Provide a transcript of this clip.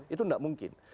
itu tidak mungkin